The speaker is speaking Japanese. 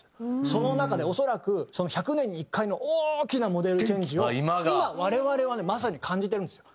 その中で恐らく１００年に１回の大きなモデルチェンジを今我々はねまさに感じてるんですよ。